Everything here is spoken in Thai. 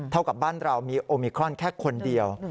กับบ้านเรามีโอมิครอนแค่คนเดียว